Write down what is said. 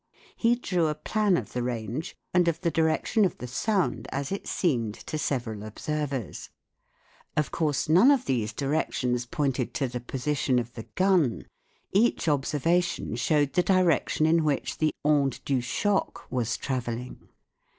He drew a plan of the range and of the direction of the sound as it seemed to several observers. Of course none of these directions (see Fig. 88) pointed to the SOUND IN WAR 185 position of the gun : each observation showed the direction in which the onde du choc was travelling.